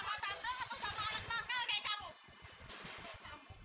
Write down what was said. sama tante atau sama anak makal kayak kamu